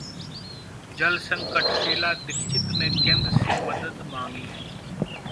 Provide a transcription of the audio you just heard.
जल संकट: शीला दीक्षित ने केंद्र से मदद मांगी